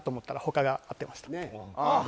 ああ